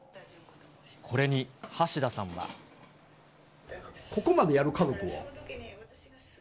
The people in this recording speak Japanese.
これに橋田さんは。ここまでやる、家族を。